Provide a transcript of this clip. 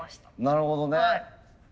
なるほどね。